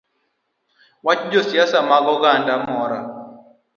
Wach josiasa mag oganda moro